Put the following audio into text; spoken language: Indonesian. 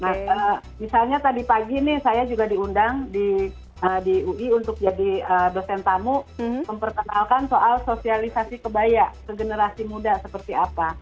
nah misalnya tadi pagi nih saya juga diundang di ui untuk jadi dosen tamu memperkenalkan soal sosialisasi kebaya ke generasi muda seperti apa